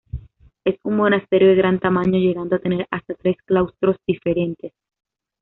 Es un monasterio de gran tamaño, llegando a tener hasta tres claustros diferentes.